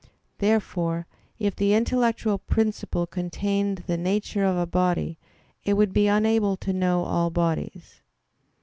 Therefore, if the intellectual principle contained the nature of a body it would be unable to know all bodies.